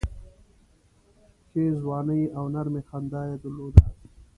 ښې ځواني او نرمي خندا یې درلوده.